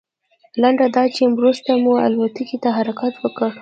لنډه دا چې وروسته مو الوتکې ته حرکت وکړ.